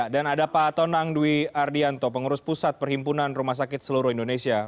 dan ada pak tonang dwi ardianto pengurus pusat perhimpunan rumah sakit seluruh indonesia